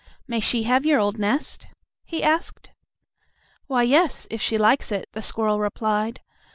"May she have your old nest?" he asked. "Why, yes, if she likes it," the squirrel replied.